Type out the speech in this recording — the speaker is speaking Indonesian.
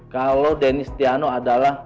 kalau denis tiano adalah